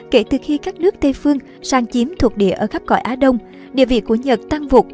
kể từ khi các nước tây phương sang chiếm thuộc địa ở khắp cõi á đông địa vị của nhật tăng vụt